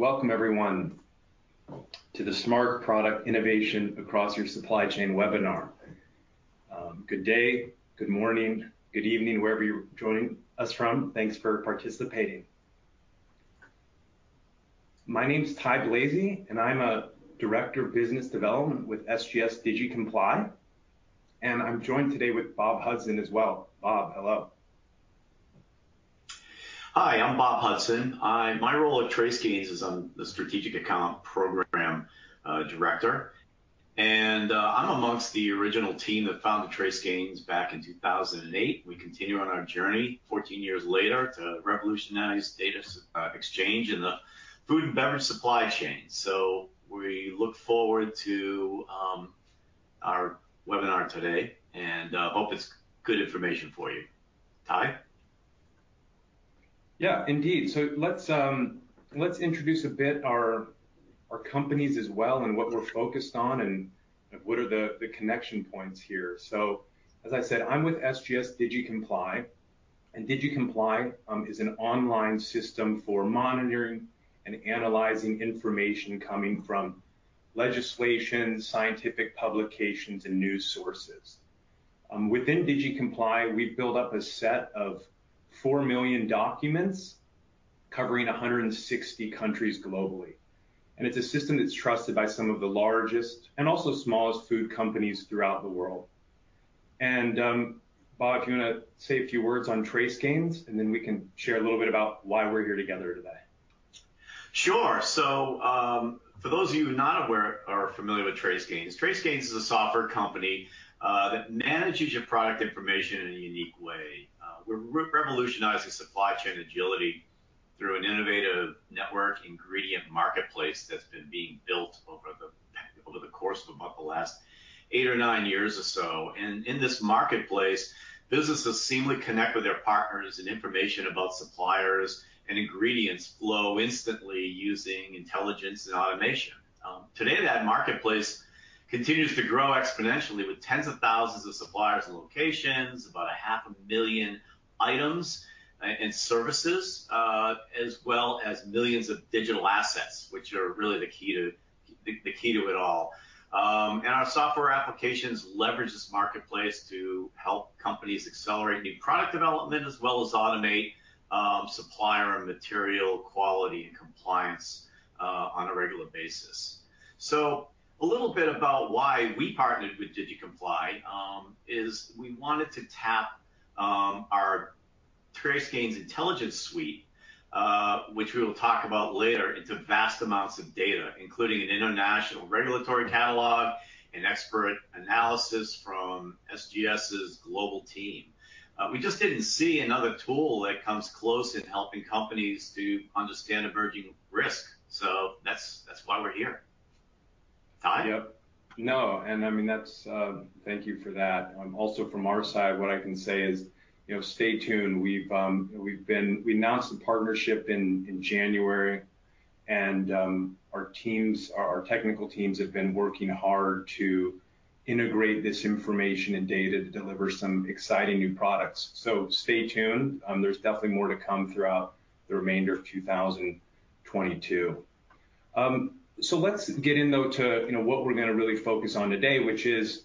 Welcome Everyone to the Smart Product Innovation Across Your Supply Chain Webinar. Good day, good morning, good evening, wherever you're joining us from. Thanks for participating. My name's Tye Blazey, and I'm a Director of Business Development with SGS Digicomply, and I'm joined today with Bob Hudson as well. Bob, hello. Hi, I'm Bob Hudson. My role at TraceGains is I'm the Strategic Account Program Director. I'm among the original team that founded TraceGains back in 2008. We continue on our journey 14 years later to revolutionize data exchange in the food and beverage supply chain. We look forward to our webinar today, and hope it's good information for you. Tye? Yeah, indeed. Let's introduce a bit our our companies as well and what we're focused on and what are the the connection points here. As I said, I'm with SGS Digicomply, and Digicomply is an online system for monitoring and analyzing information coming from legislation, scientific publications, and news sources. Within Digicomply, we've built up a set of four million documents covering 160 countries globally. Bob, do you wanna say a few words on TraceGains? and then we can share a little bit about why we're here together today. Sure. For those of you not aware or familiar with TraceGains is a software company that manages your product information in a unique way. We're revolutionizing supply chain agility through an innovative network ingredient marketplace that's been built over the course of about the last eight or nine years or so. In this marketplace, businesses seamlessly connect with their partners and information about suppliers and ingredients flow instantly using intelligence and automation. Today, that marketplace continues to grow exponentially with tens of thousands of suppliers and locations, about a half a million items and services, as well as millions of digital assets, which are really the key to it all. Our software applications leverage this marketplace to help companies accelerate new product development as well as automate supplier and material quality and compliance on a regular basis. A little bit about why we partnered with Digicomply is we wanted to tap our TraceGains Intelligence Suite, which we will talk about later, into vast amounts of data, including an international regulatory catalog and expert analysis from SGS's global team. We just didn't see another tool that comes close in helping companies to understand emerging risk. That's why we're here. Tye? Yep. No, and I mean, that's. Thank you for that. Also from our side, what I can say is, you know, stay tuned. We announced the partnership in January, and our technical teams have been working hard to integrate this information and data to deliver some exciting new products. Stay tuned. There's definitely more to come throughout the remainder of 2022. Let's get in, though, to, you know, what we're gonna really focus on today, which is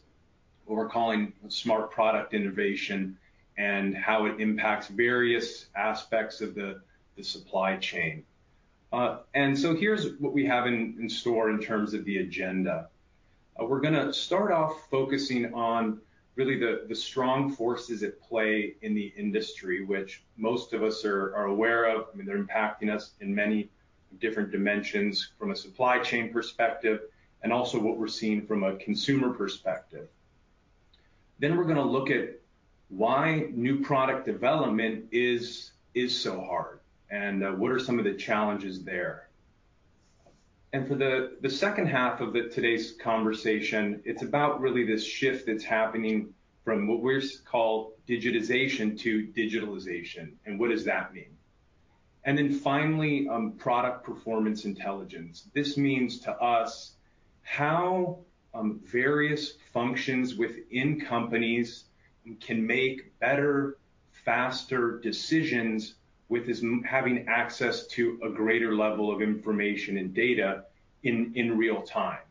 what we're calling smart product innovation and how it impacts various aspects of the supply chain. Here's what we have in store in terms of the agenda. We're gonna start off focusing on really the strong forces at play in the industry, which most of us are aware of. I mean, they're impacting us in many different dimensions from a supply chain perspective and also what we're seeing from a consumer perspective. We're gonna look at why new product development is so hard and what are some of the challenges there. For the second half of today's conversation, it's about really this shift that's happening from what we call digitization to digitalization and what does that mean. Finally, product performance intelligence. This means, to us, how various functions within companies can make better, faster decisions with this having access to a greater level of information and data in real time.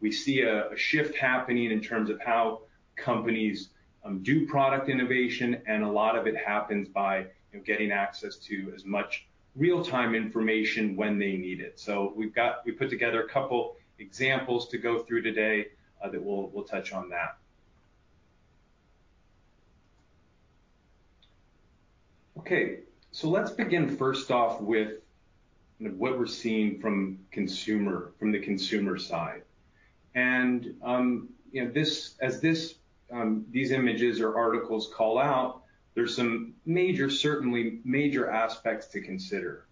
We see a shift happening in terms of how companies do product innovation, and a lot of it happens by, you know, getting access to as much real-time information when they need it. We put together a couple examples to go through today that we'll touch on that. Okay, let's begin 1st off with, you know, what we're seeing from the consumer side. You know, as these images or articles call out, there are some certainly major aspects to consider.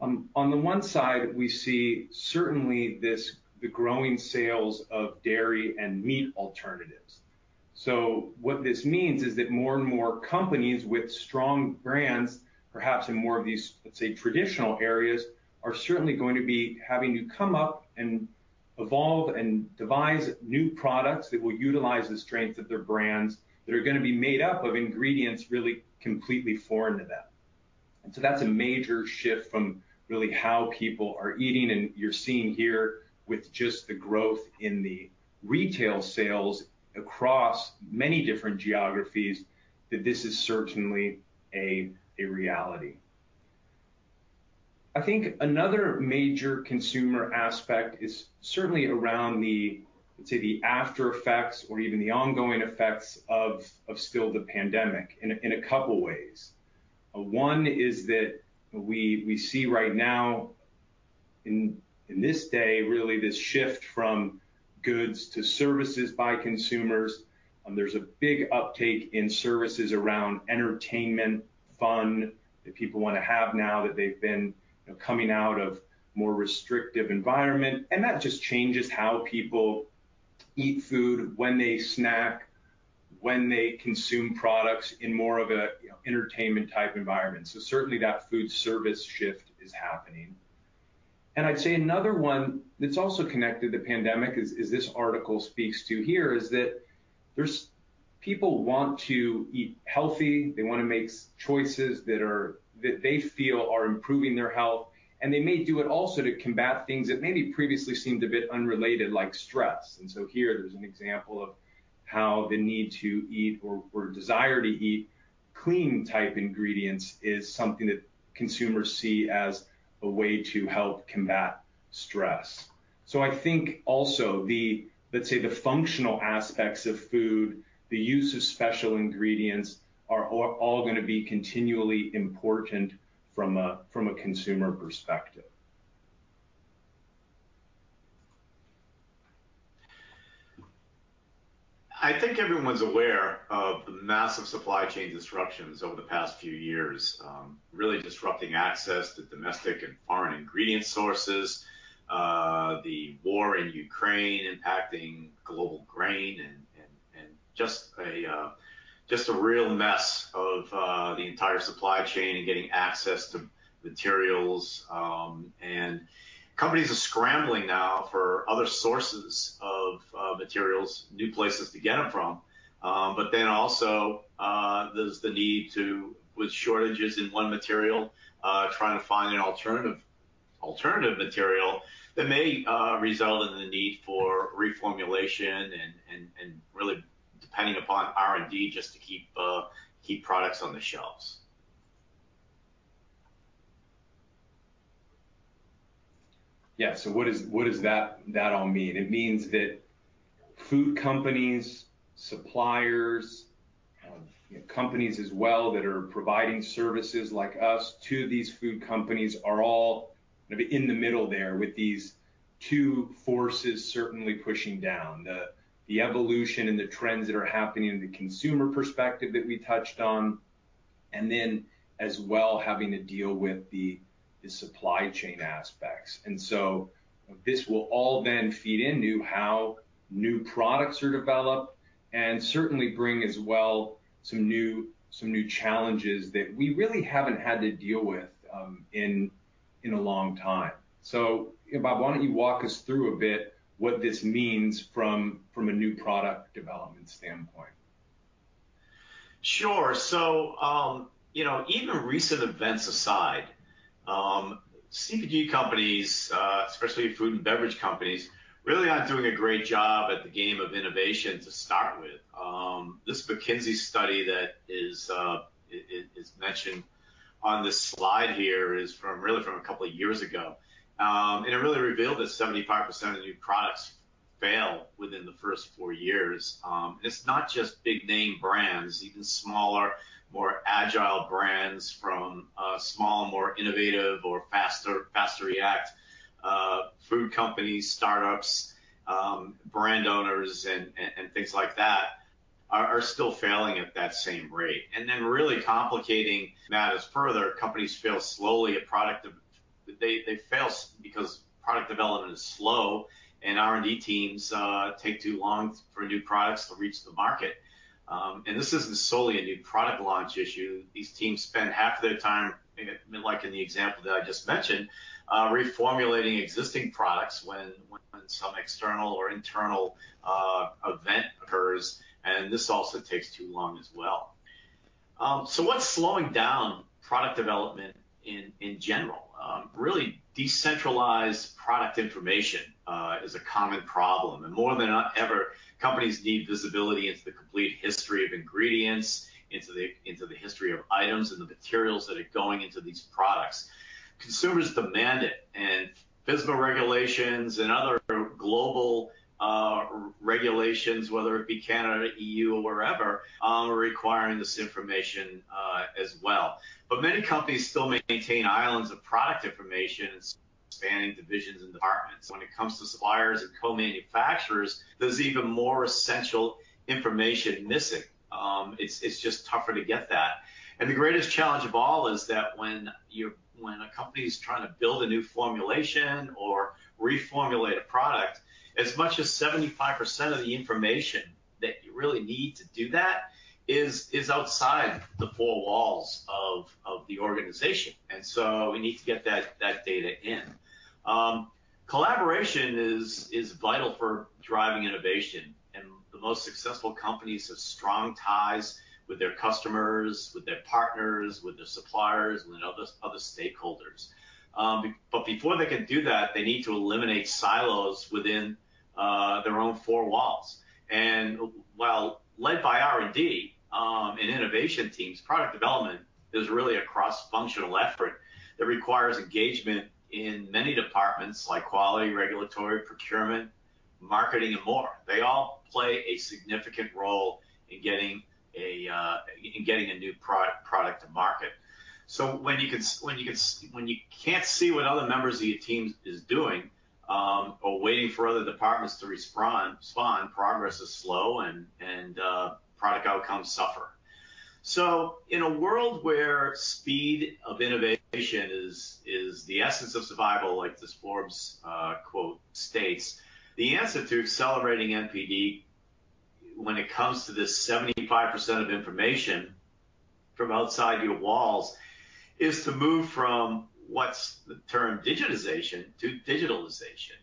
On the one side, we see certainly this, the growing sales of dairy and meat alternatives. What this means is that more and more companies with strong brands, perhaps in more of these, let's say, traditional areas, are certainly going to be having to come up and evolve and devise new products that will utilize the strength of their brands that are gonna be made up of ingredients really completely foreign to them. That's a major shift from really how people are eating, and you're seeing here with just the growth in the retail sales across many different geographies that this is certainly a reality. I think another major consumer aspect is certainly around the, let's say, the after effects or even the ongoing effects of still the pandemic in a, in a couple ways. One is that we see right now in this day really this shift from goods to services by consumers. There's a big uptake in services around entertainment, fun that people wanna have now that they've been, you know, coming out of more restrictive environment, and that just changes how people eat food, when they snack, when they consume products in more of a, you know, entertainment type environment. Certainly that food service shift is happening. I'd say another one that's also connected to pandemic is this article speaks to here, is that there's people want to eat healthy. They wanna make choices that are, that they feel are improving their health, and they may do it also to combat things that maybe previously seemed a bit unrelated, like stress. Here there's an example of how the need to eat or desire to eat clean type ingredients is something that consumers see as a way to help combat stress. I think also the, let's say, the functional aspects of food, the use of special ingredients are all gonna be continually important from a consumer perspective. I think everyone's aware of the massive supply chain disruptions over the past few years, really disrupting access to domestic and foreign ingredient sources, the war in Ukraine impacting global grain and just a real mess of the entire supply chain and getting access to materials. Companies are scrambling now for other sources of materials, new places to get them from. Also, there's the need to, with shortages in one material, trying to find an alternative material that may result in the need for reformulation and really depending upon R&D just to keep products on the shelves. Yeah. What does that all mean? It means that food companies, suppliers, companies as well that are providing services like us to these food companies are all gonna be in the middle there with these two forces certainly pushing down. The evolution and the trends that are happening in the consumer perspective that we touched on, and then as well having to deal with the supply chain aspects. This will all then feed into how new products are developed and certainly bring as well some new challenges that we really haven't had to deal with in a long time. Bob, why don't you walk us through a bit what this means from a new product development standpoint? Sure. You know, even recent events aside, CPG companies, especially food and beverage companies really aren't doing a great job at the game of innovation to start with. This McKinsey study that is mentioned on this slide here is really from a couple of years ago. It really revealed that 75% of new products fail within the 1st four years. It's not just big name brands, even smaller, more agile brands from small, more innovative or faster react food companies, startups, brand owners and things like that are still failing at that same rate. Really complicating that is, companies fail slowly because product development is slow, and R&D teams take too long for new products to reach the market. This isn't solely a new product launch issue. These teams spend half their time, like in the example that I just mentioned, reformulating existing products when some external or internal event occurs, and this also takes too long as well. What's slowing down product development in general? Really decentralized product information is a common problem. More than ever, companies need visibility into the complete history of ingredients, into the history of items and the materials that are going into these products. Consumers demand it, and FSMA regulations and other global regulations, whether it be Canada, EU or wherever, are requiring this information as well. Many companies still maintain islands of product information spanning divisions and departments when it comes to suppliers and co-manufacturers, there's even more essential information missing. It's just tougher to get that. The greatest challenge of all is that when a company's trying to build a new formulation or reformulate a product, as much as 75% of the information that you really need to do that is outside the four walls of the organization. We need to get that data in. Collaboration is vital for driving innovation, and the most successful companies have strong ties with their customers, with their partners, with their suppliers, and other stakeholders. But before they can do that, they need to eliminate silos within their own four walls. While led by R&D and innovation teams, product development is really a cross-functional effort that requires engagement in many departments like quality, regulatory, procurement, marketing, and more. They all play a significant role in getting a new product to market. When you can't see what other members of your team is doing or waiting for other departments to respond, progress is slow and product outcomes suffer. In a world where speed of innovation is the essence of survival, like this Forbes quote states, the answer to accelerating NPD when it comes to this 75% of information from outside your walls, is to move from digitization to digitalization.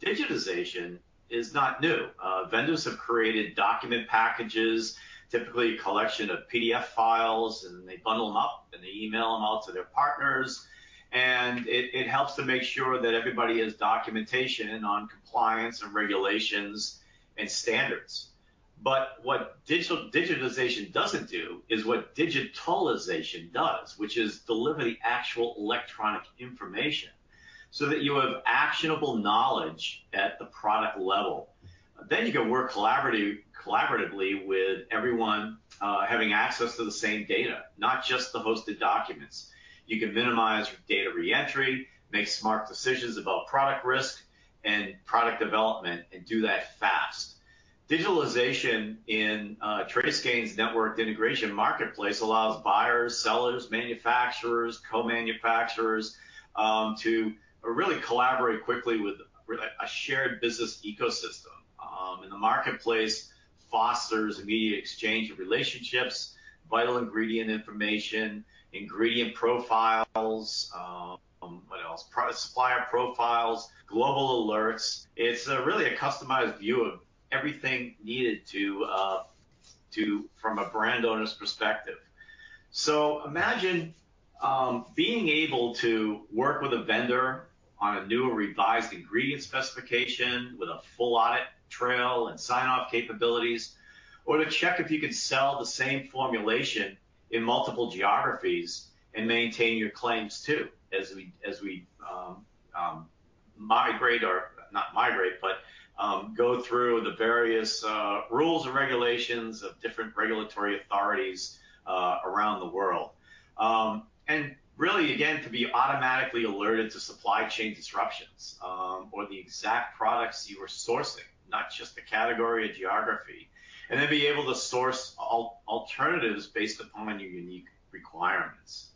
Digitization is not new. Vendors have created document packages, typically a collection of PDF files, and they bundle them up, and they email them out to their partners, and it helps to make sure that everybody has documentation on compliance and regulations and standards. What digitization doesn't do is what digitalization does, which is deliver the actual electronic information so that you have actionable knowledge at the product level. You can work collaboratively with everyone having access to the same data, not just the hosted documents. You can minimize data re-entry, make smart decisions about product risk and product development, and do that fast. Digitalization in TraceGains' networked integration marketplace allows buyers, sellers, manufacturers, co-manufacturers to really collaborate quickly with a shared business ecosystem. The marketplace fosters immediate exchange of relationships, vital ingredient information, ingredient profiles, supplier profiles, global alerts. It's really a customized view of everything needed from a brand owner's perspective. Imagine being able to work with a vendor on a new or revised ingredient specification with a full audit trail and sign-off capabilities, or to check if you could sell the same formulation in multiple geographies and maintain your claims too, as we go through the various rules and regulations of different regulatory authorities around the world. Really, again, to be automatically alerted to supply chain disruptions or the exact products you are sourcing, not just the category or geography, and then be able to source alternatives based upon your unique requirements.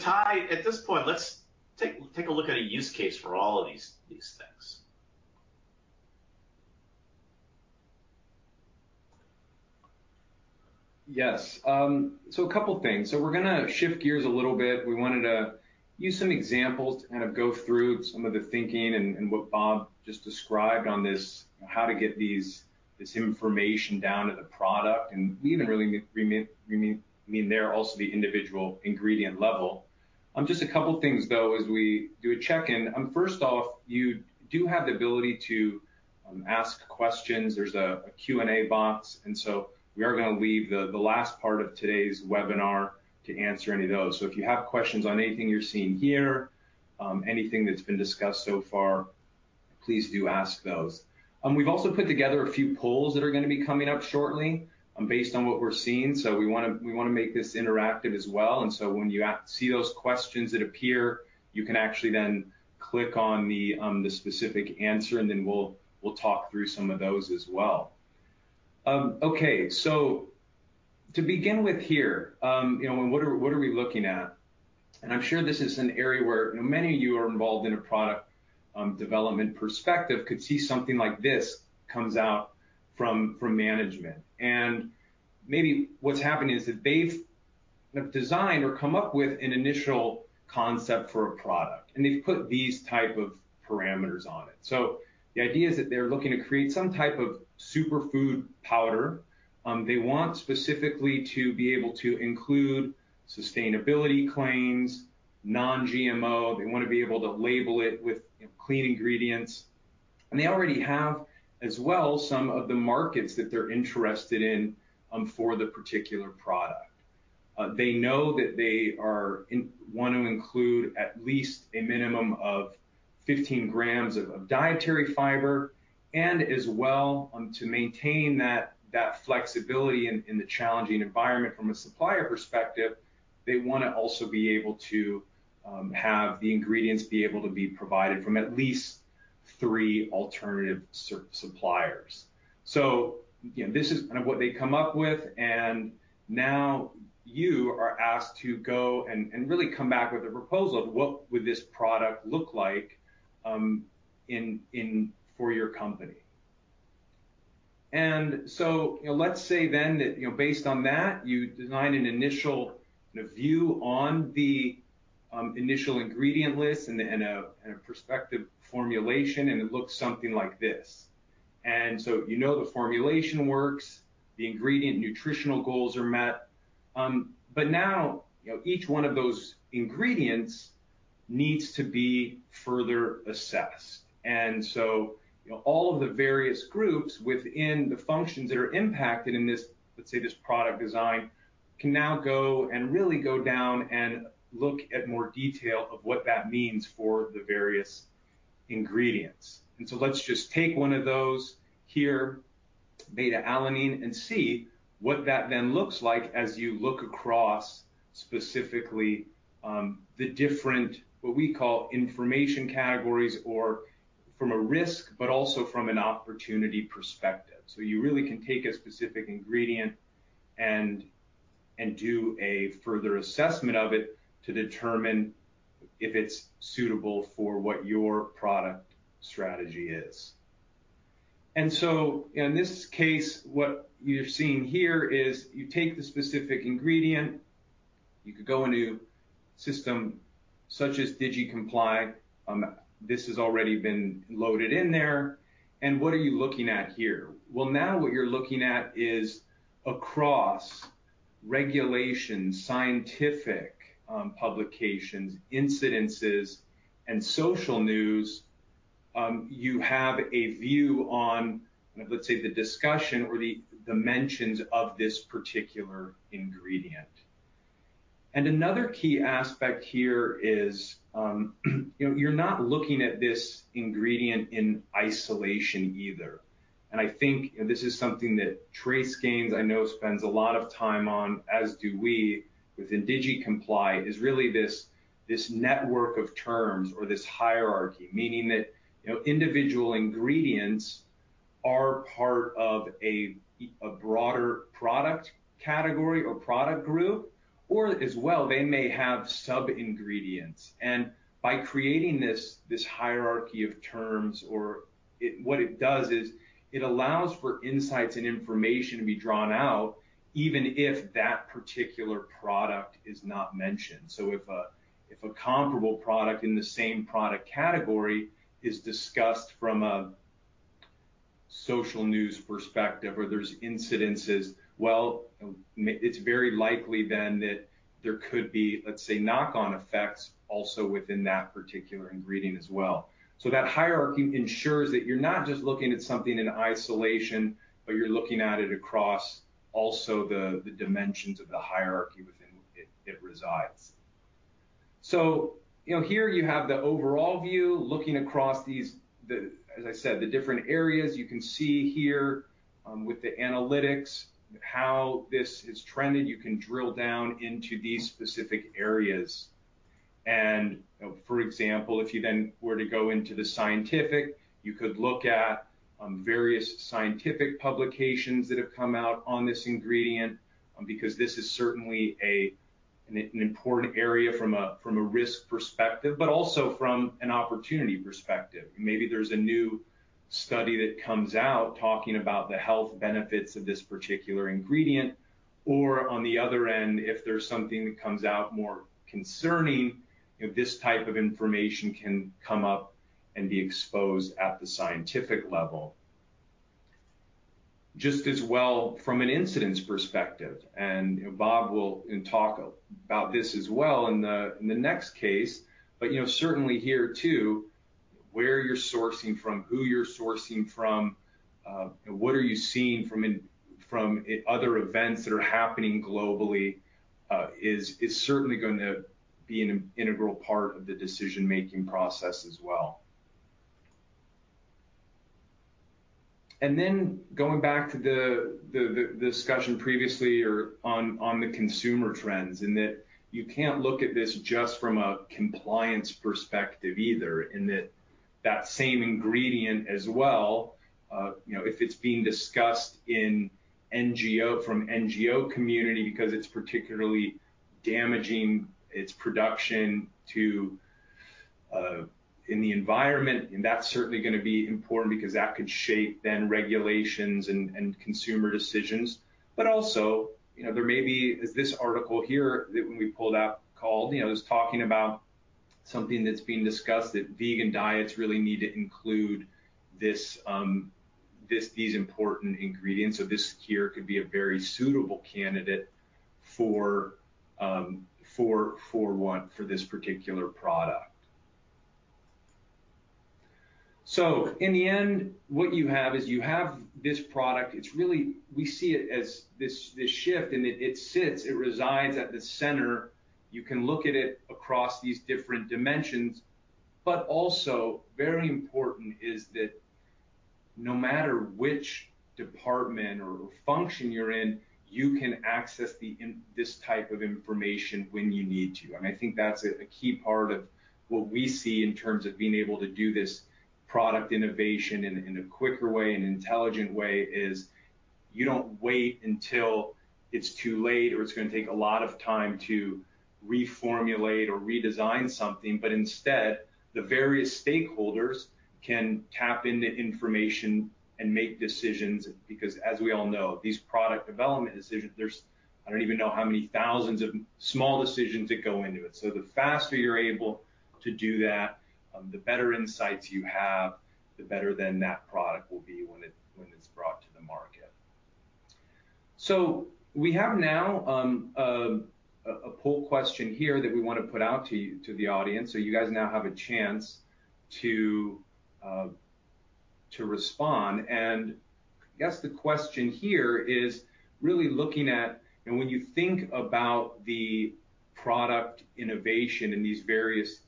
Tye, at this point, let's take a look at a use case for all of these things. Yes. A couple of things. We're gonna shift gears a little bit. We wanted to use some examples to kind of go through some of the thinking and what Bob just described on this, how to get these, this information down to the product, and even really, I mean, to the individual ingredient level. Just a couple of things, though, as we do a check-in. 1st off, you do have the ability to ask questions. There's a Q&A box, and we are gonna leave the last part of today's webinar to answer any of those. If you have questions on anything you're seeing here, anything that's been discussed so far, please do ask those. We've also put together a few polls that are gonna be coming up shortly, based on what we're seeing. We wanna make this interactive as well, and when you see those questions that appear, you can actually then click on the specific answer, and then we'll talk through some of those as well. Okay, to begin with here, you know, and what are we looking at? I'm sure this is an area where, you know, many of you are involved in a product development perspective could see something like this comes out from management. Maybe what's happened is that they've, like, designed or come up with an initial concept for a product, and they've put these type of parameters on it. The idea is that they're looking to create some type of superfood powder. They want specifically to be able to include sustainability claims, non-GMO. They wanna be able to label it with, you know, clean ingredients. They already have as well some of the markets that they're interested in, for the particular product. They know that they wanna include at least a minimum of 15 grams of dietary fiber and as well, to maintain that flexibility in the challenging environment from a supplier perspective, they wanna also be able to have the ingredients be able to be provided from at least 3 alternative suppliers. You know, this is kind of what they come up with, and now you are asked to go and really come back with a proposal of what would this product look like for your company. You know, let's say then that, you know, based on that, you design an initial view on the initial ingredient list and a prospective formulation, and it looks something like this. You know the formulation works, the ingredient nutritional goals are met, but now, you know, each one of those ingredients needs to be further assessed. You know, all of the various groups within the functions that are impacted in this, let's say, this product design, can now go and really go down and look at more detail of what that means for the various ingredients. Let's just take one of those here, beta-alanine, and see what that then looks like as you look across specifically, the different, what we call information categories or from a risk, but also from an opportunity perspective. You really can take a specific ingredient and do a further assessment of it to determine if it's suitable for what your product strategy is. In this case, what you're seeing here is you take the specific ingredient, you could go into system such as Digicomply, this has already been loaded in there. What are you looking at here? Well, now what you're looking at is across regulations, scientific, publications, incidences, and social news, you have a view on, let's say, the discussion or the dimensions of this particular ingredient. Another key aspect here is, you know, you're not looking at this ingredient in isolation either. I think this is something that TraceGains, I know spends a lot of time on, as do we within SGS Digicomply, is really this network of terms or this hierarchy, meaning that, you know, individual ingredients are part of a broader product category or product group, or as well, they may have subingredients. By creating this hierarchy of terms, what it does is it allows for insights and information to be drawn out, even if that particular product is not mentioned. If a comparable product in the same product category is discussed from a social news perspective or there's incidents, well, it's very likely then that there could be, let's say, knock-on effects also within that particular ingredient as well. That hierarchy ensures that you're not just looking at something in isolation, but you're looking at it across also the dimensions of the hierarchy within it resides. You know, here you have the overall view looking across these, as I said, the different areas you can see here, with the analytics, how this is trending. You can drill down into these specific areas. You know, for example, if you then were to go into the scientific, you could look at various scientific publications that have come out on this ingredient, because this is certainly an important area from a risk perspective, but also from an opportunity perspective. Maybe there's a new study that comes out talking about the health benefits of this particular ingredient, or on the other end, if there's something that comes out more concerning, you know, this type of information can come up and be exposed at the scientific level. Just as well from an incidence perspective, and Bob will talk about this as well in the next case, but, you know, certainly here too, where you're sourcing from, who you're sourcing from, what are you seeing from other events that are happening globally, is certainly going to be an integral part of the decision-making process as well. Going back to the discussion previously or on the consumer trends, and that you can't look at this just from a compliance perspective either, and that same ingredient as well, you know, if it's being discussed in NGO, from NGO community because it's particularly damaging its production to in the environment, and that's certainly gonna be important because that could shape then regulations and consumer decisions. Also, you know, there may be, as this article here that when we pulled up called, you know, it was talking about something that's being discussed, that vegan diets really need to include this, these important ingredients. This here could be a very suitable candidate for one, for this particular product. In the end, what you have is this product. It's really, we see it as this shift, and it sits, it resides at the center. You can look at it across these different dimensions. Also very important is that no matter which department or function you're in, you can access this type of information when you need to. I think that's a key part of what we see in terms of being able to do this product innovation in a quicker way and intelligent way is. You don't wait until it's too late or it's gonna take a lot of time to reformulate or redesign something, but instead, the various stakeholders can tap into information and make decisions because as we all know, these product development decisions, I don't even know how many thousands of small decisions that go into it. The faster you're able to do that, the better insights you have, the better then that product will be when it's brought to the market. We have now a poll question here that we wanna put out to you, to the audience. You guys now have a chance to respond. I guess the question here is really looking at when you think about the product innovation in these various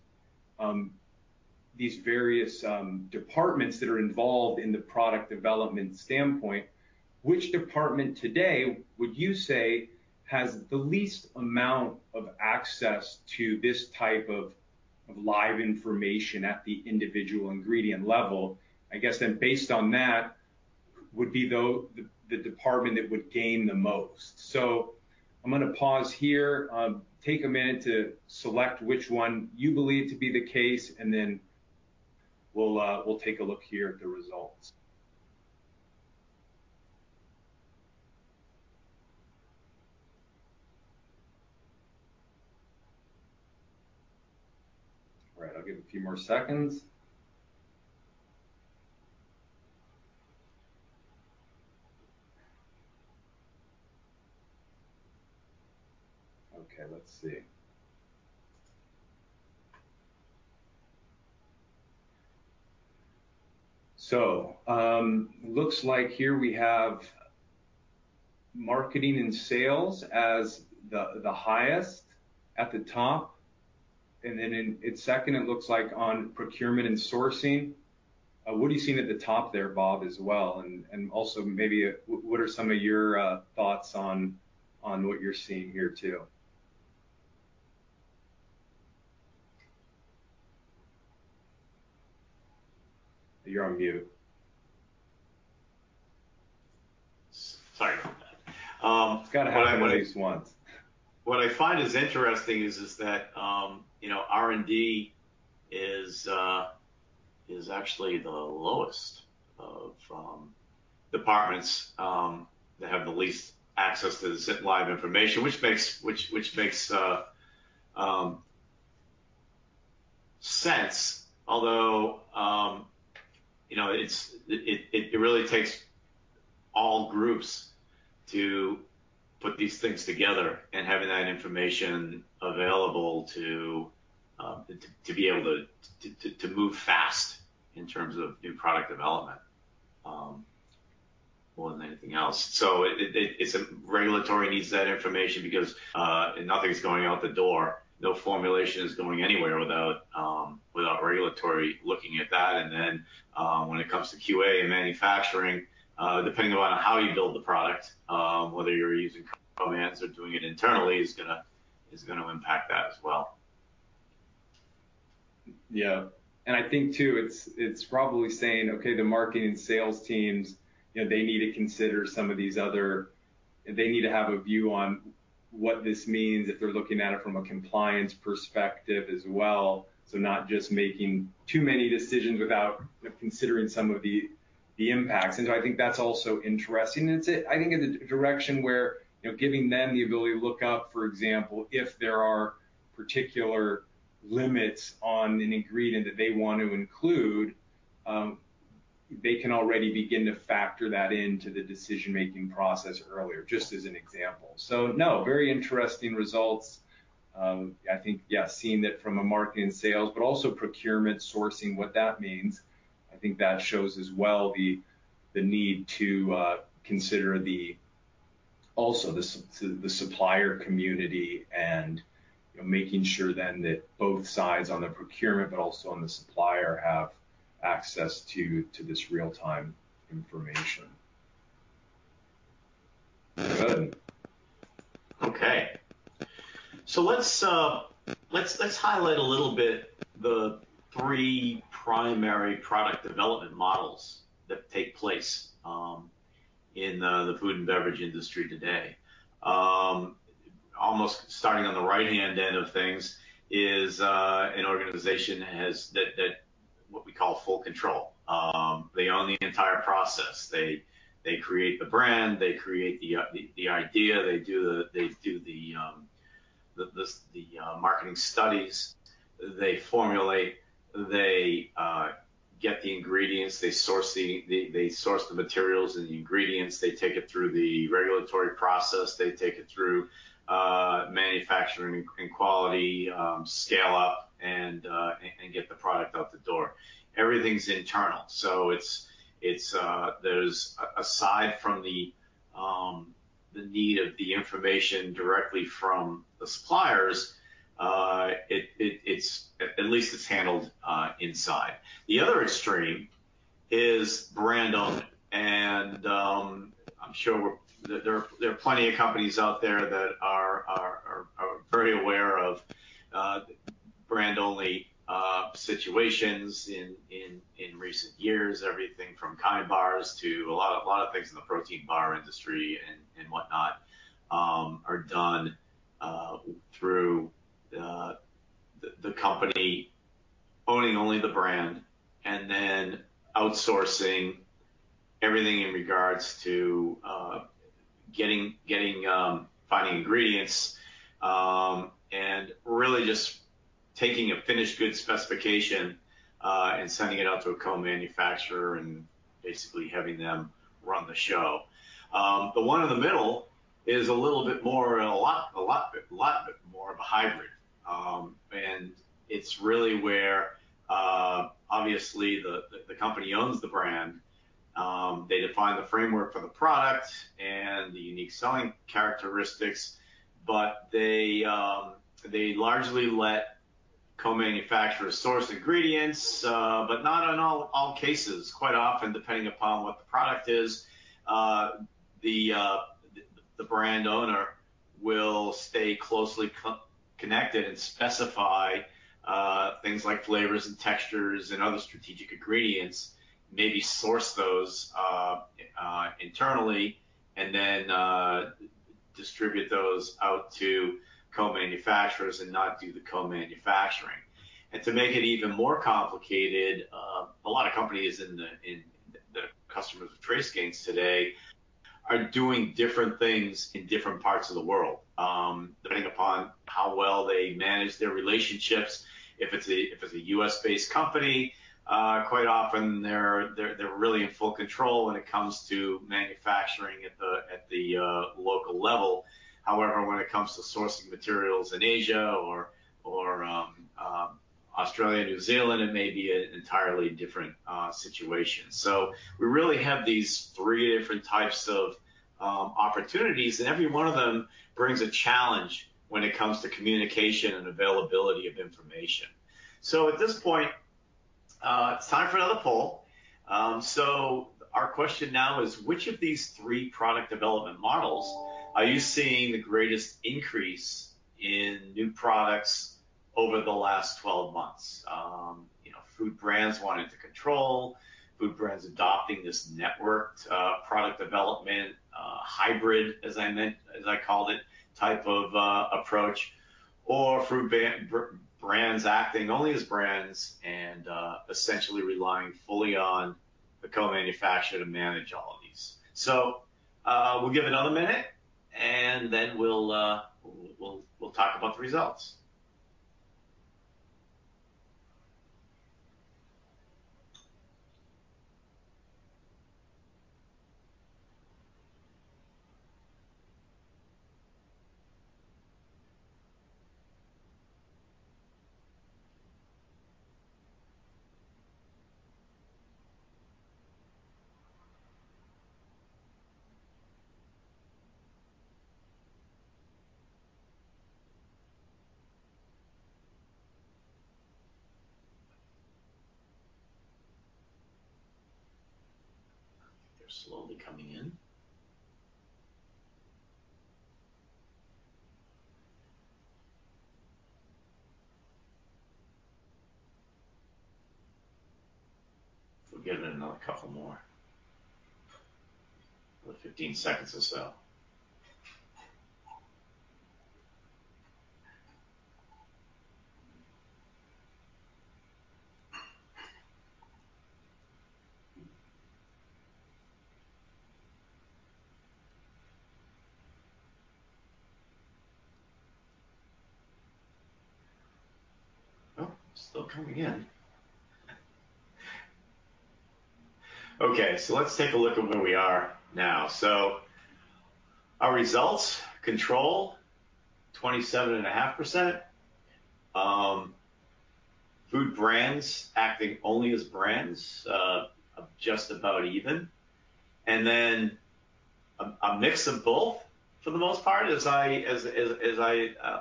departments that are involved in the product development standpoint, which department today would you say has the least amount of access to this type of live information at the individual ingredient level? I guess then based on that would be though the department that would gain the most. I'm gonna pause here, take a minute to select which one you believe to be the case, and then we'll take a look here at the results. All right, I'll give it a few more seconds. Okay, let's see. Looks like here we have marketing and sales as the highest at the top. Then at second, it looks like on procurement and sourcing. What are you seeing at the top there, Bob, as well? Also maybe what are some of your thoughts on what you're seeing here too? You're on mute. Sorry about that. It's gonna happen at least once. What I find is interesting is that R&D is actually the lowest of departments that have the least access to this live information, which makes sense. Although you know it really takes all groups to put these things together and having that information available to be able to move fast in terms of new product development more than anything else. Regulatory needs that information because nothing's going out the door. No formulation is going anywhere without regulatory looking at that. When it comes to QA and manufacturing, depending on how you build the product, whether you're using components or doing it internally is gonna impact that as well. Yeah. I think too, it's probably saying, okay, the marketing and sales teams, you know, they need to consider some of these other. They need to have a view on what this means if they're looking at it from a compliance perspective as well, so not just making too many decisions without considering some of the impacts. I think that's also interesting. It's, I think, in the direction where, you know, giving them the ability to look up, for example, if there are particular limits on an ingredient that they want to include, they can already begin to factor that into the decision-making process earlier, just as an example. No, very interesting results. I think, yeah, seeing that from a marketing sales, but also procurement sourcing, what that means, I think that shows as well the need to consider also the supplier community and, you know, making sure then that both sides on the procurement but also on the supplier have access to this real-time information. Go ahead. Okay. Let's highlight a little bit the three primary product development models that take place in the food and beverage industry today. Almost starting on the right-hand end of things is an organization that has what we call full control. They own the entire process. They create the brand, they create the idea. They do the marketing studies. They formulate. They get the ingredients. They source the materials and the ingredients. They take it through the regulatory process. They take it through manufacturing and quality, scale up and get the product out the door. Everything's internal. Aside from the need of the information directly from the suppliers, it's at least handled inside. The other extreme is brand owner, and I'm sure that there are plenty of companies out there that are very aware of situations in recent years, everything from KIND Bars to a lot of things in the protein bar industry and whatnot are done through the company owning only the brand and then outsourcing everything in regards to getting finding ingredients, and really just taking a finished good specification and sending it out to a co-manufacturer and basically having them run the show. The one in the middle is a little bit more and a little bit more of a hybrid. It's really where, obviously the company owns the brand. They define the framework for the product and the unique selling characteristics, but they largely let co-manufacturers source ingredients, but not in all cases. Quite often, depending upon what the product is, the brand owner will stay closely connected and specify things like flavors and textures and other strategic ingredients, maybe source those internally and then distribute those out to co-manufacturers and not do the co-manufacturing. To make it even more complicated, a lot of companies, the customers of TraceGains today are doing different things in different parts of the world, depending upon how well they manage their relationships. If it's a US-based company, quite often they're really in full control when it comes to manufacturing at the local level. However, when it comes to sourcing materials in Asia or Australia, New Zealand, it may be an entirely different situation. We really have these three different types of opportunities, and every one of them brings a challenge when it comes to communication and availability of information. At this point, it's time for another poll. Our question now is, which of these three product development models are you seeing the greatest increase in new products over the last 12 months? You know, food brands wanting to control, food brands adopting this networked product development hybrid, as I meant, as I called it, type of approach, or food brands acting only as brands and essentially relying fully on the co-manufacturer to manage all of these. We'll give it another minute, and then we'll talk about the results. They're slowly coming in. We'll give it another couple more. Another 15 seconds or so. Well, still coming in. Okay, let's take a look at where we are now. Our results, control, 27.5%. Food brands acting only as brands, just about even. A mix of both for the most part, as I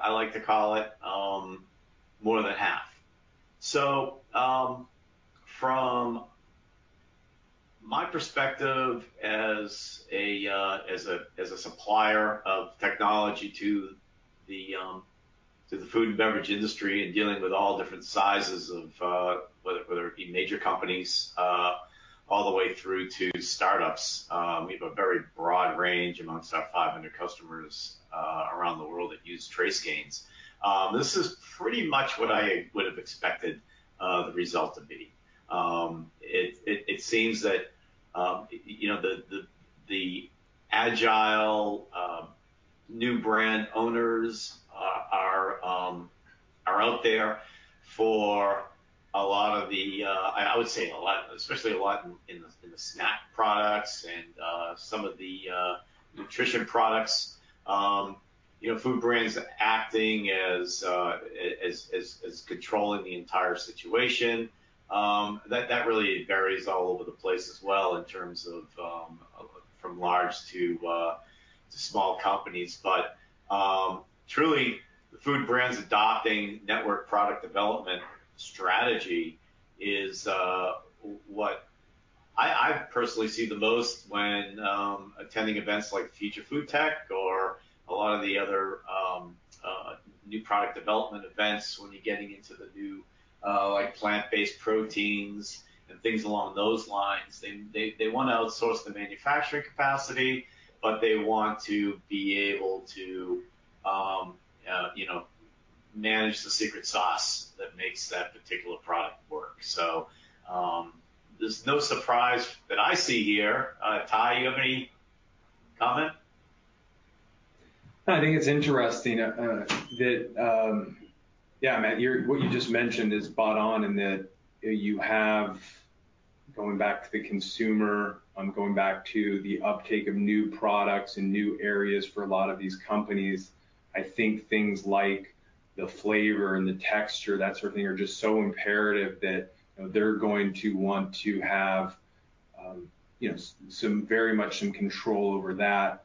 like to call it, more than half. From my perspective as a supplier of technology to the food and beverage industry and dealing with all different sizes of whether it be major companies all the way through to startups, we have a very broad range amongst our 500 customers around the world that use TraceGains. This is pretty much what I would have expected the result to be. It seems that you know the agile new brand owners are out there for a lot of the. I would say a lot, especially a lot in the snack products and some of the nutrition products. You know, food brands acting as controlling the entire situation, that really varies all over the place as well in terms of from large to small companies. Truly, food brands adopting network product development strategy is what I personally see the most when attending events like Future Food-Tech or a lot of the other new product development events when you're getting into the new like plant-based proteins and things along those lines, they wanna outsource the manufacturing capacity, but they want to be able to you know, manage the secret sauce that makes that particular product work. There's no surprise that I see here. Ty, you have any comment? I think it's interesting that Yeah, Bob Hudson, what you just mentioned is spot on in that you have, going back to the consumer, going back to the uptake of new products and new areas for a lot of these companies, I think things like the flavor and the texture, that sort of thing, are just so imperative that, you know, they're going to want to have, you know, some very much in control over that.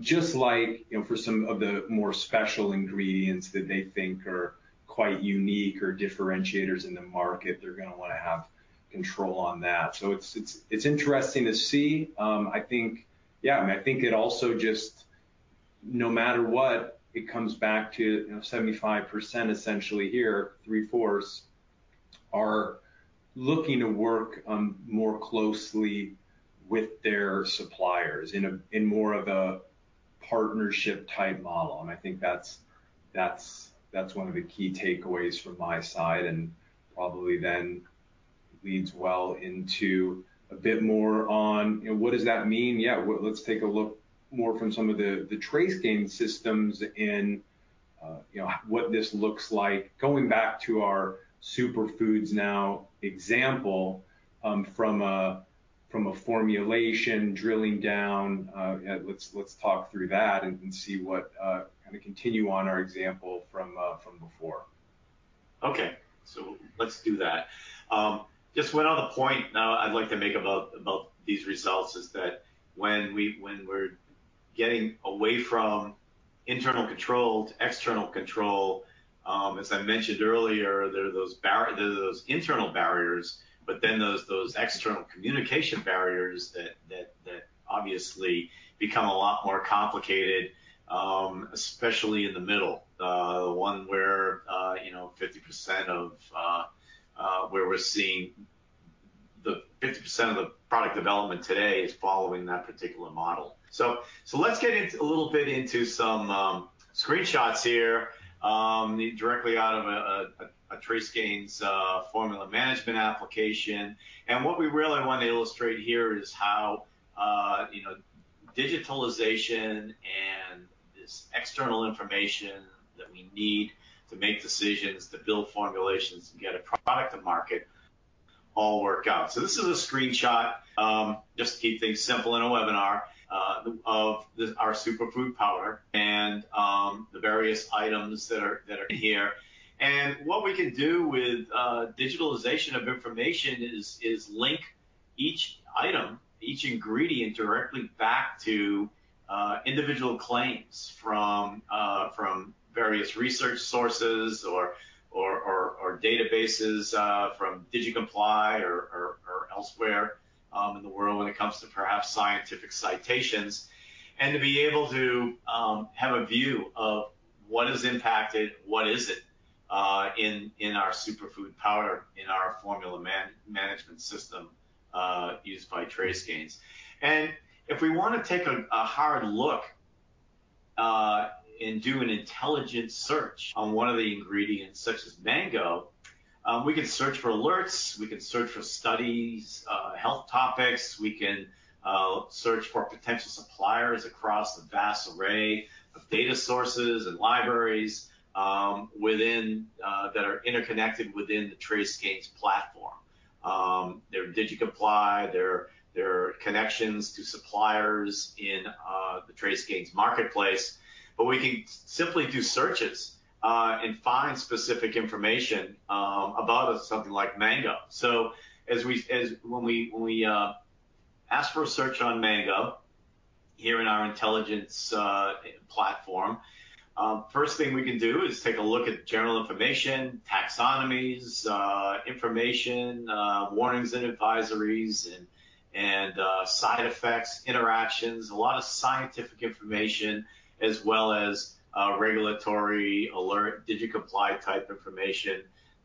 Just like, you know, for some of the more special ingredients that they think are quite unique or differentiators in the market, they're gonna wanna have control on that. It's interesting to see. I think, yeah, I think it also just, no matter what, it comes back to, you know, 75% essentially here, three-fourths are looking to work more closely with their suppliers in a, in more of a partnership type model. I think that's one of the key takeaways from my side and probably then leads well into a bit more on, you know, what does that mean? Yeah, well, let's take a look more from some of the TraceGains systems in, you know, what this looks like. Going back to our superfoods now example, from a formulation drilling down, let's talk through that and see what kinda continue on our example from before. Okay. Let's do that. Just one other point now I'd like to make about these results is that when we're getting away from internal control to external control, as I mentioned earlier, there are those internal barriers, but then those external communication barriers that obviously become a lot more complicated, especially in the middle one where you know, 50% of the product development today is following that particular model. Let's get into a little bit into some screenshots here directly out of a TraceGains formula management application. What we really wanna illustrate here is how, you know, digitalization and this external information that we need to make decisions, to build formulations and get a product to market all work out. This is a screenshot, just to keep things simple in a webinar, of our superfood powder and the various items that are here. What we can do with digitalization of information is link each item, each ingredient directly back to individual claims from various research sources or databases, from SGS Digicomply or elsewhere, in the world when it comes to perhaps scientific citations. To be able to have a view of what is impacted, what isn't, in our superfood powder, in our formula management system, used by TraceGains. If we wanna take a hard look and do an intelligent search on one of the ingredients such as mango, we can search for alerts, we can search for studies, health topics, we can search for potential suppliers across the vast array of data sources and libraries within that are interconnected within the TraceGains platform. Their SGS Digicomply, their connections to suppliers in the TraceGains marketplace, but we can simply do searches and find specific information about something like mango. When we ask for a search on mango here in our intelligence platform, first thing we can do is take a look at general information, taxonomies, information, warnings and advisories and side effects, interactions, a lot of scientific information, as well as regulatory alert, Digicomply type information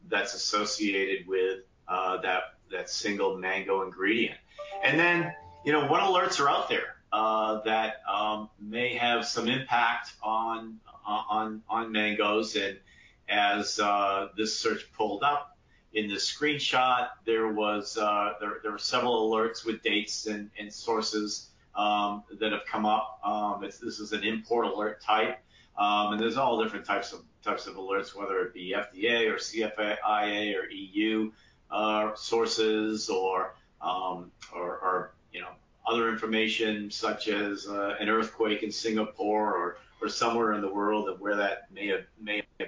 that's associated with that single mango ingredient. Then, you know, what alerts are out there that may have some impact on mangoes? As this search pulled up in the screenshot, there were several alerts with dates and sources that have come up. This is an import alert type. There's all different types of alerts, whether it be FDA or CFIA or EU sources or, you know, other information such as an earthquake in Singapore or somewhere in the world where that may have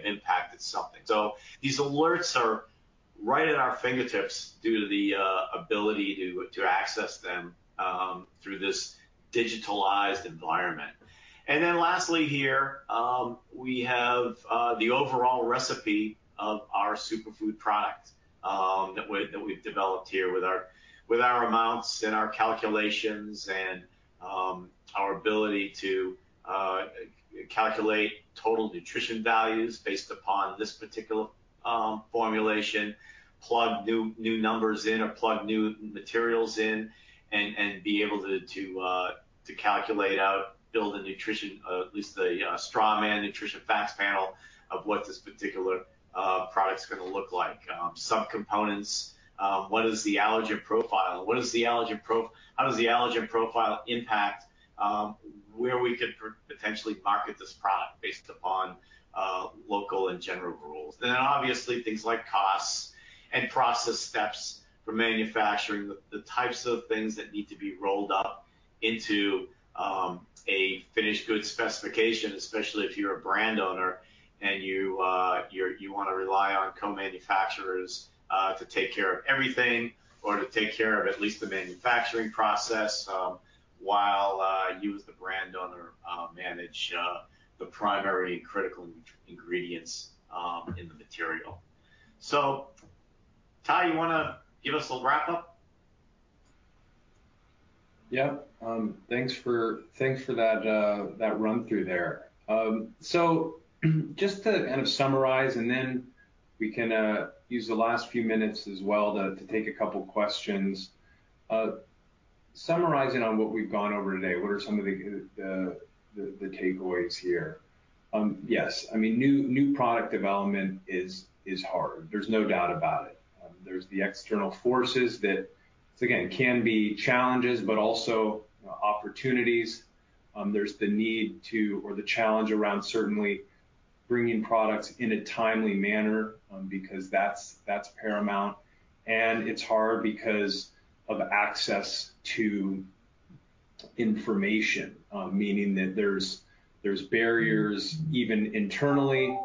impacted something. These alerts are right at our fingertips due to the ability to access them through this digitalized environment. Then lastly here, we have the overall recipe of our superfood product that we've developed here with our amounts and our calculations and our ability to calculate total nutrition values based upon this particular formulation, plug new numbers in or plug new materials in and be able to calculate out, build a nutrition, at least a strawman nutrition facts panel of what this particular product's gonna look like. Some components, what is the allergen profile? How does the allergen profile impact where we could potentially market this product based upon local and general rules? Obviously things like costs and process steps for manufacturing, the types of things that need to be rolled up into a finished good specification, especially if you're a brand owner and you wanna rely on co-manufacturers to take care of everything or to take care of at least the manufacturing process, while you as the brand owner manage the primary critical ingredients in the material. So, Ty, you wanna give us a little wrap-up? Yeah. Thanks for that run-through there. So just to kind of summarize, and then we can use the last few minutes as well to take a couple questions. Summarizing on what we've gone over today, what are some of the takeaways here? Yes, I mean, new product development is hard. There's no doubt about it. There's the external forces that, again, can be challenges, but also opportunities. There's the need to or the challenge around certainly bringing products in a timely manner, because that's paramount. It's hard because of access to information, meaning that there's barriers even internally.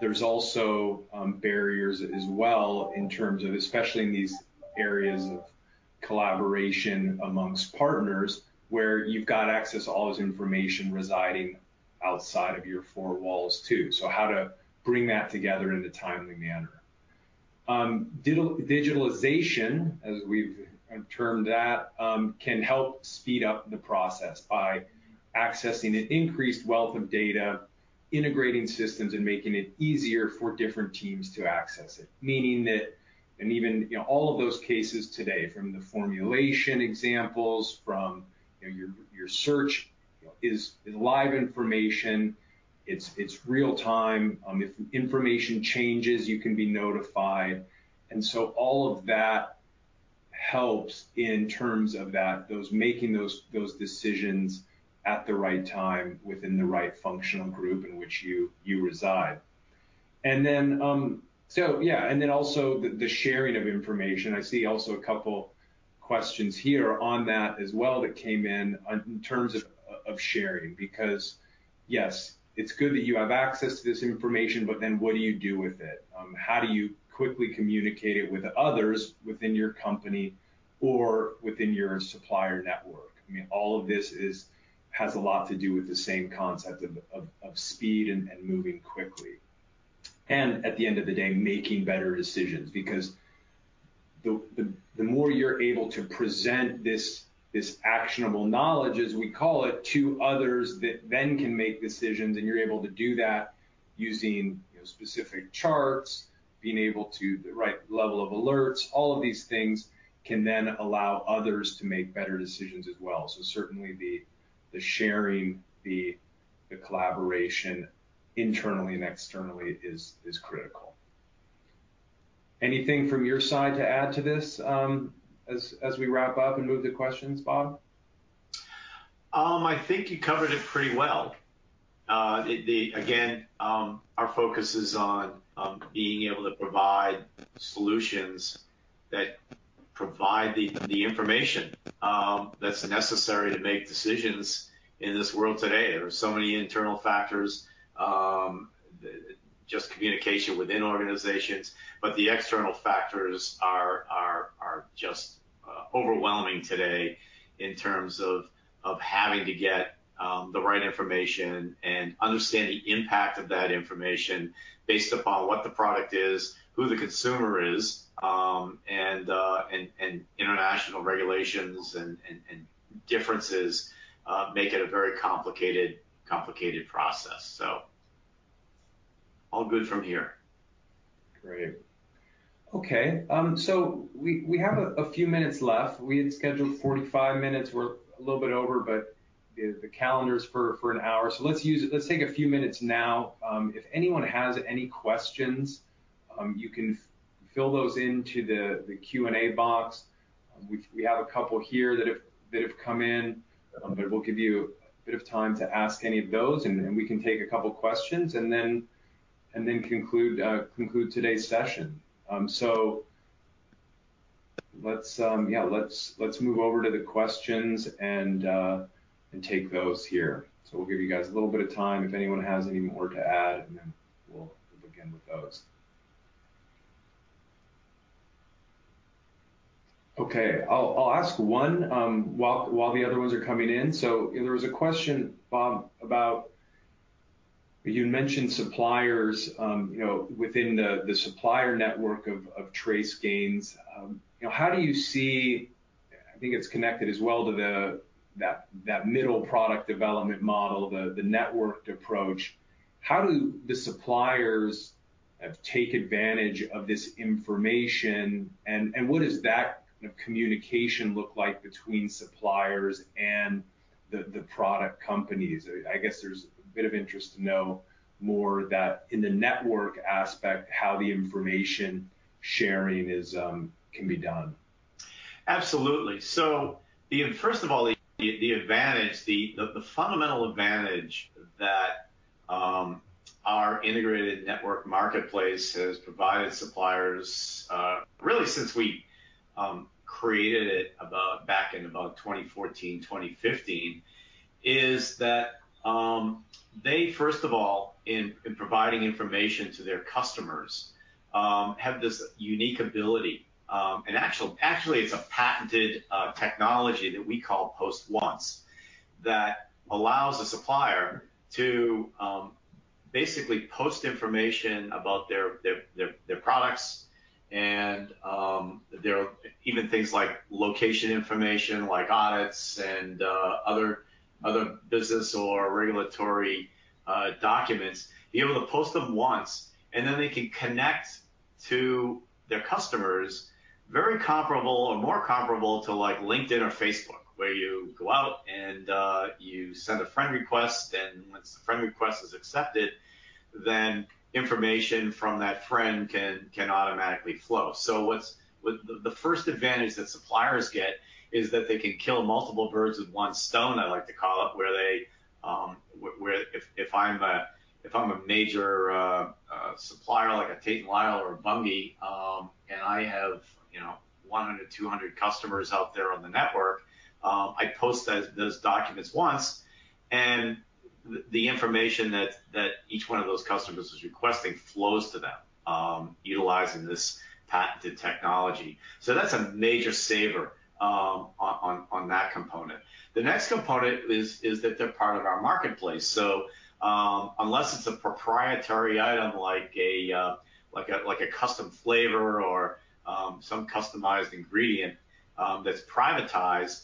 There's also barriers as well in terms of especially in these areas of collaboration amongst partners, where you've got access to all this information residing outside of your four walls too. How to bring that together in a timely manner. Digitalization, as we've termed that, can help speed up the process by accessing an increased wealth of data, integrating systems, and making it easier for different teams to access it. Meaning that even, you know, all of those cases today, from the formulation examples, you know, your search is live information. It's real-time. If information changes, you can be notified. All of that helps in terms of that, those making those decisions at the right time within the right functional group in which you reside. Yeah. Then also the sharing of information. I see also a couple questions here on that as well that came in on terms of sharing because, yes, it's good that you have access to this information, but then what do you do with it? How do you quickly communicate it with others within your company or within your supplier network? I mean, all of this has a lot to do with the same concept of speed and moving quickly. At the end of the day, making better decisions because the more you're able to present this actionable knowledge, as we call it, to others that then can make decisions, and you're able to do that using, you know, specific charts, being able to the right level of alerts, all of these things can then allow others to make better decisions as well. Certainly the sharing, the collaboration internally and externally is critical. Anything from your side to add to this, as we wrap up and move to questions, Bob? I think you covered it pretty well. Again, our focus is on being able to provide solutions that provide the information that's necessary to make decisions in this world today. There are so many internal factors, just communication within organizations, but the external factors are just overwhelming today in terms of having to get the right information and understand the impact of that information based upon what the product is, who the consumer is, and international regulations and differences make it a very complicated process. All good from here. Great. Okay. We have a few minutes left. We had scheduled 45 minutes. We're a little bit over, but the calendar's for an hour. Let's use it. Let's take a few minutes now. If anyone has any questions, you can fill those into the Q&A box. We have a couple here that have come in, but we'll give you a bit of time to ask any of those, and then we can take a couple questions and then conclude today's session. Yeah, let's move over to the questions and take those here. We'll give you guys a little bit of time if anyone has any more to add, and then we'll begin with those. Okay. I'll ask one while the other ones are coming in. There was a question, Bob, about you mentioned suppliers, you know, within the supplier network of TraceGains. You know, how do you see, I think it's connected as well to that middle product development model, the networked approach. How do the suppliers take advantage of this information and what does that communication look like between suppliers and the product companies? I guess there's a bit of interest to know more about that in the network aspect, how the information sharing can be done. Absolutely. First of all, the fundamental advantage that our integrated network marketplace has provided suppliers really since we created it back in about 2014, 2015, is that they first of all in providing information to their customers have this unique ability and actually it's a patented technology that we call PostOnce that allows a supplier to basically post information about their products and their Even things like location information, like audits and other business or regulatory documents, be able to post them once, and then they can connect to their customers very comparable or more comparable to, like, LinkedIn or Facebook, where you go out and you send a friend request, and once the friend request is accepted, then information from that friend can automatically flow. What's the first advantage that suppliers get is that they can kill multiple birds with one stone, I like to call it, where if I'm a major supplier like a Tate & Lyle or a Bunge, and I have, you know, 100, 200 customers out there on the network, I post those documents once, and the information that each one of those customers is requesting flows to them, utilizing this patented technology. That's a major saver on that component. The next component is that they're part of our marketplace. Unless it's a proprietary item like a custom flavor or some customized ingredient that's privatized,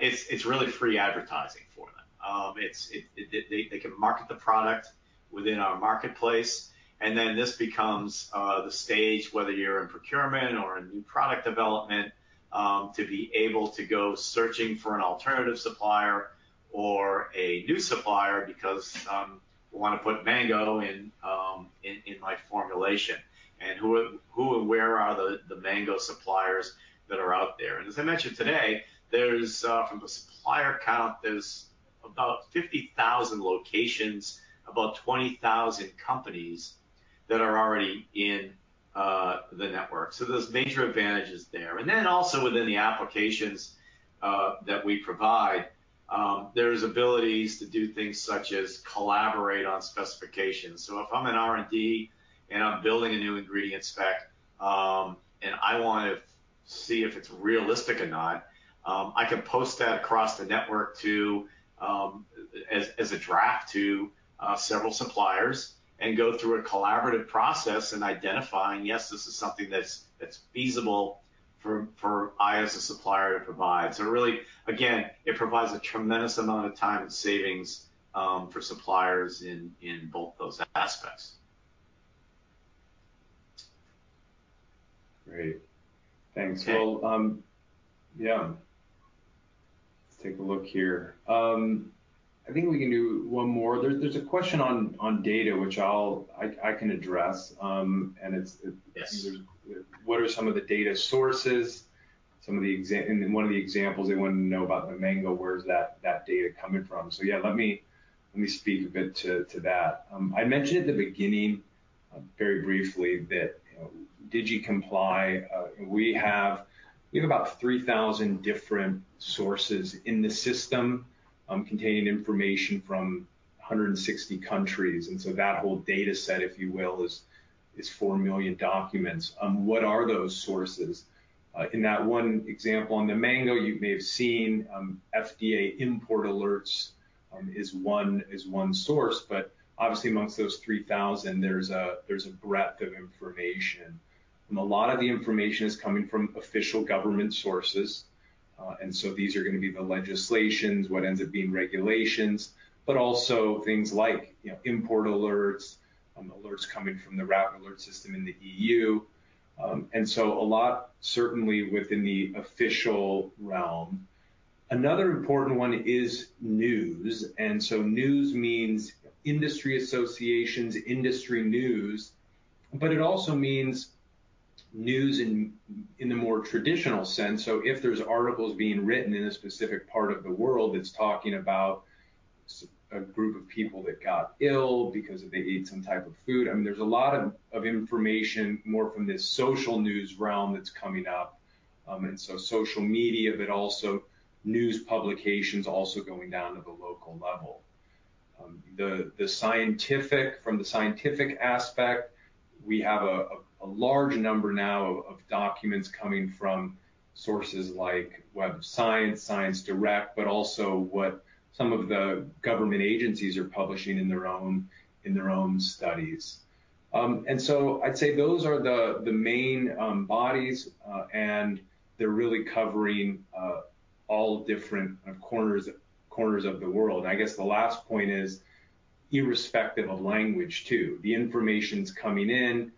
it's really free advertising for them. They can market the product within our marketplace. This becomes the stage, whether you're in procurement or in new product development, to be able to go searching for an alternative supplier or a new supplier because we wanna put mango in my formulation. Who and where are the mango suppliers that are out there? As I mentioned today, from a supplier count, there's about 50,000 locations, about 20,000 companies that are already in the network. There are major advantages there. Then also within the applications that we provide, there's abilities to do things such as collaborate on specifications. If I'm in R&D and I'm building a new ingredient spec, and I wanna see if it's realistic or not, I can post that across the network as a draft to several suppliers and go through a collaborative process in identifying, yes, this is something that's feasible for me as a supplier to provide. Really, again, it provides a tremendous amount of time and savings for suppliers in both those aspects. Great. Thanks. Well, yeah. Let's take a look here. I think we can do one more. There's a question on data, which I can address. It's Yes. What are some of the data sources? Some of the examples they wanna know about the mango, where is that data coming from? Yeah, let me speak a bit to that. I mentioned at the beginning very briefly that SGS Digicomply, we have about 3,000 different sources in the system containing information from 160 countries. That whole data set, if you will, is 4 million documents. What are those sources? In that one example on the mango, you may have seen, FDA import alerts is one source. Obviously amongst those 3,000, there's a breadth of information. A lot of the information is coming from official government sources. These are gonna be the legislation, what ends up being regulations, but also things like, you know, import alerts coming from the RASFF in the EU. A lot certainly within the official realm. Another important one is news. News means industry associations, industry news, but it also means news in the more traditional sense. If there's articles being written in a specific part of the world that's talking about a group of people that got ill because they ate some type of food. I mean, there's a lot of information more from this social news realm that's coming up. Social media, but also news publications going down to the local level. From the scientific aspect, we have a large number of documents coming from sources like Web of Science, ScienceDirect, but also what some of the government agencies are publishing in their own studies. I'd say those are the main bodies, and they're really covering all different corners of the world. The last point is irrespective of language too, the information's coming in,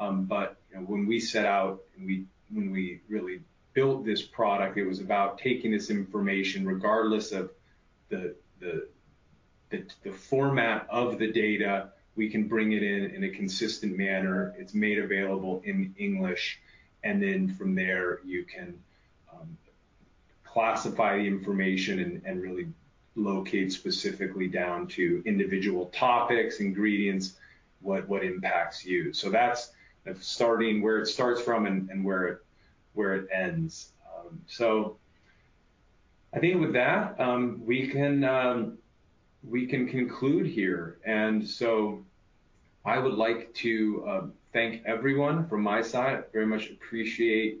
but when we set out, when we really built this product, it was about taking this information regardless of the format of the data, we can bring it in in a consistent manner. It's made available in English, and then from there, you can classify information and really locate specifically down to individual topics, ingredients, what impacts you. That's starting where it starts from and where it ends. I think with that, we can conclude here. I would like to thank everyone from my side. Very much appreciate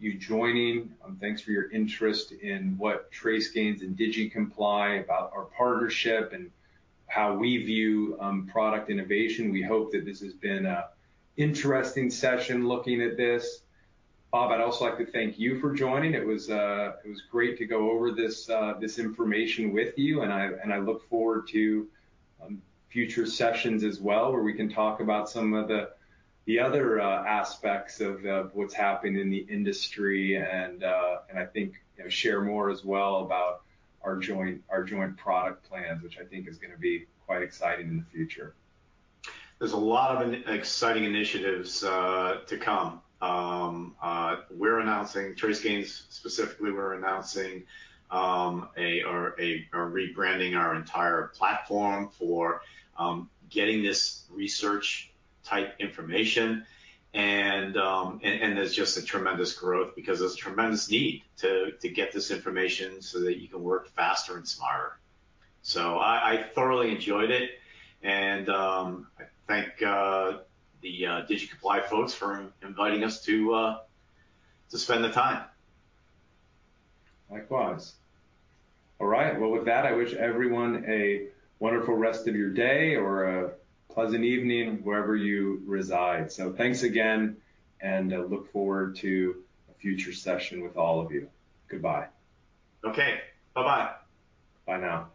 you joining. Thanks for your interest in what TraceGains and SGS Digicomply, about our partnership, and how we view product innovation. We hope that this has been an interesting session looking at this. Bob, I'd also like to thank you for joining. It was great to go over this information with you, and I look forward to future sessions as well, where we can talk about some of the other aspects of what's happened in the industry, and I think, you know, share more as well about our joint product plans, which I think is gonna be quite exciting in the future. There's a lot of exciting initiatives to come. We're announcing, TraceGains specifically, rebranding our entire platform for getting this research type information. There's just a tremendous growth because there's tremendous need to get this information so that you can work faster and smarter. I thoroughly enjoyed it. I thank the Digicomply folks for inviting us to spend the time. Likewise. All right. Well, with that, I wish everyone a wonderful rest of your day or a pleasant evening wherever you reside. Thanks again and I look forward to a future session with all of you. Goodbye. Okay. Bye-bye. Bye now.